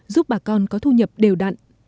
giúp bà con có thu nhập đều đặn